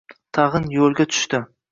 tag‘in yo‘lga tushdi.